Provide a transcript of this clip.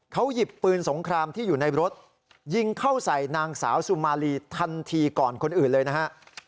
เขาหยิบปืนสงครามที่อยู่ในรถยิงเข้าใส่นางสาวสุมารีทันทีก่อนคนอื่นเลยนะฮะ